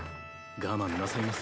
我慢なさいませ。